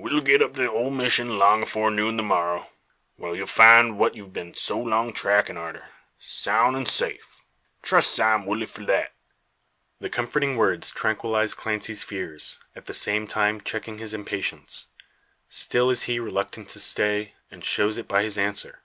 We'll get up to the ole mission long afore noon the morrow, whar ye'll find, what ye've been so long trackin' arter, soun' an' safe. Trust Sime Woodley for that." The comforting words tranquillise Clancy's fears, at the same time checking his impatience. Still is he reluctant to stay, and shows it by his answer.